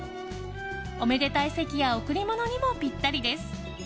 おめでたい席や贈り物にもぴったりです。